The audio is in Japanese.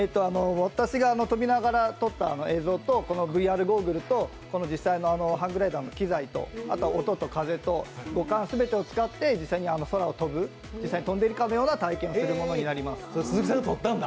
私が飛びながら撮った映像とこのＶＲゴーグルと実際のハングライダーの機械とあとは音と風と五感全てを使って実際に空を飛んでいるかのような体験するものになります。